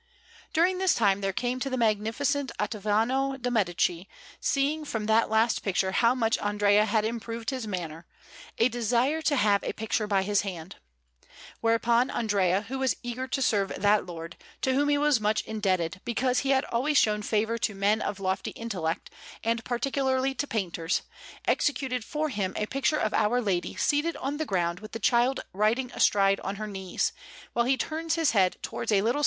During this time there came to the Magnificent Ottaviano de' Medici, seeing from that last picture how much Andrea had improved his manner, a desire to have a picture by his hand. Whereupon Andrea, who was eager to serve that lord, to whom he was much indebted, because he had always shown favour to men of lofty intellect, and particularly to painters, executed for him a picture of Our Lady seated on the ground with the Child riding astride on her knees, while He turns His head towards a little S.